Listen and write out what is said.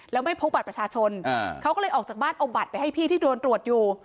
แล้วไม่พบบัตรประชาชนเขาก็เลยออกจากบ้านเอาบัตรไปให้พี่ที่โดนตรวจอยู่